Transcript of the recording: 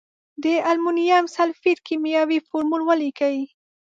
د المونیم سلفیټ کیمیاوي فورمول ولیکئ.